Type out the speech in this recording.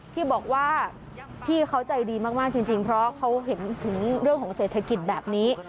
ที่บอกว่าพี่เขาใจดีมากจริงเพราะเขาเห็นถึงเรื่องของเศรษฐกิจแบบนี้